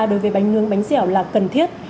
đối với bánh nướng bánh dẻo là cần thiết